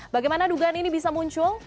bagaimana dugaan ini bisa muncul